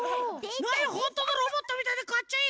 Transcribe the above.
ほんとのロボットみたいでかっちょいい！